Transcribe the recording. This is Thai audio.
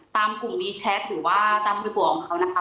ตามกลุ่มนี้แชร์ถือว่าตามบริปุ่งของเขานะคะ